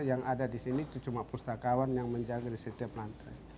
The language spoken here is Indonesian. yang ada disini itu cuma pustakawan yang menjaga setiap lantai